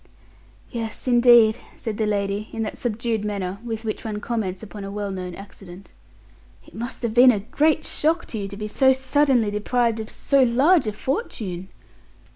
"Yes, indeed," said the lady, in that subdued manner with which one comments upon a well known accident, "it must have been a great shock to you to be so suddenly deprived of so large a fortune."